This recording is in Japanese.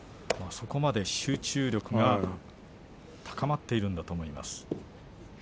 そこまで集中力が高まっているんだと思います。